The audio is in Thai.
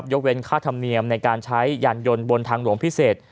ยกเว้นค่าธรรมเนียมในการใช้ยานยนต์บนทางหลวงพิเศษ